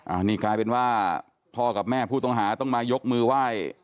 อันนี้กลายเป็นว่าพ่อกับแม่ผู้ต้องหาต้องมายกมือไหว้